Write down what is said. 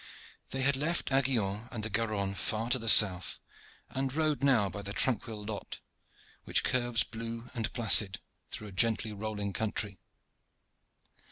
They had left Aiguillon and the Garonne far to the south, and rode now by the tranquil Lot, which curves blue and placid through a gently rolling country.